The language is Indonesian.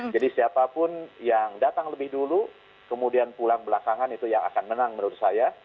jadi siapapun yang datang lebih dulu kemudian pulang belakangan itu yang akan menang menurut saya